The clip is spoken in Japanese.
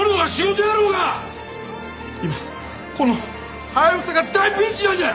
今このハヤブサが大ピンチなんじゃ！